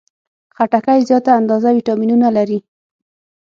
خټکی زیاته اندازه ویټامینونه لري.